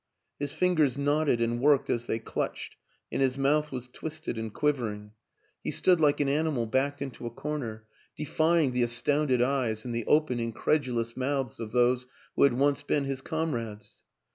His fingers knotted and worked as they clutched and his mouth was twisted and quivering; he stood like WILLIAM AN ENGLISHMAN 223 an animal backed into a corner, defying the as tounded eyes and the open incredulous mouths of those who had once been his comrades.